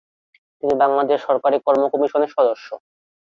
তিনি বাংলাদেশ সরকারি কর্ম কমিশনের সদস্য।